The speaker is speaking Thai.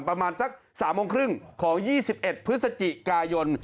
ประมาณสัก๓โมงครึ่งของ๒๑พฤศจิกายน